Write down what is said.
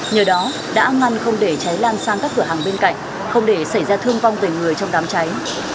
nhờ đó đã ngăn không để cháy lan sang các cửa hàng bên cạnh không để xảy ra thương vong về người trong đám cháy